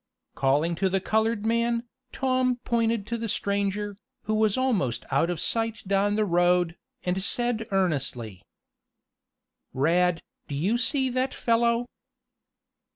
Calling to the colored man, Tom pointed to the stranger, who was almost out of sight down the road, and said earnestly: "Rad, do you see that fellow?"